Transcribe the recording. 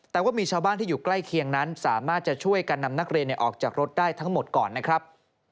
แต่ว่ามีชาวบ้านที่อยู่ใกล้เคียงนั้นสามารถจะช่วยกันนำนักเรียนออกจากรถได้ทั้งหมดก่อนนะครับ